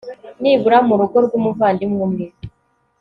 nibura mu rugo rw umuvandimwe umwe